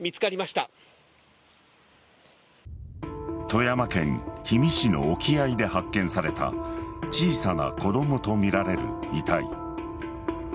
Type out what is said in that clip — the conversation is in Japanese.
富山県氷見市の沖合で発見された小さな子供とみられる遺体。